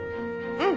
うん。